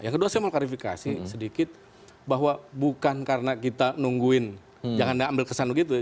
yang kedua saya mau klarifikasi sedikit bahwa bukan karena kita nungguin jangan anda ambil kesan begitu ya